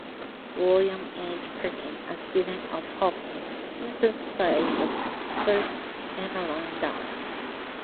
William H. Perkin, a student of Hofmann, synthesized the first aniline dye.